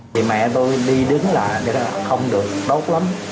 thì mẹ tôi đi đứng lại không được đốt lắm